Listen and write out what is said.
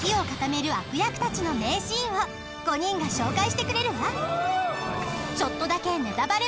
たちの名シーンを５人が紹介してくれるわ。